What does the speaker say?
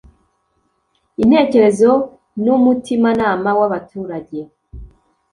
intekerezo nu mutimanama w’abaturage